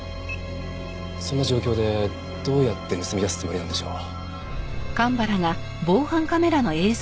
そんな状況でどうやって盗み出すつもりなんでしょう？